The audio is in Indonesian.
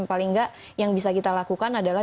paling nggak yang bisa kita lakukan adalah